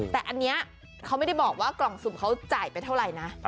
แต่อันนี้เขาไม่ได้บอกว่ากล่องสุ่มเขาจ่ายไปเท่าไหร่นะ